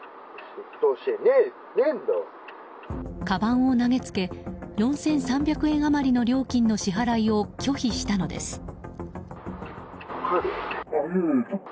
かばんを投げつけ４３００円余りの料金の支払いを拒否したのです。